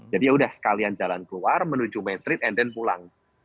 jadi ya sudah sekalian jalan keluar menuju madrid and then pulang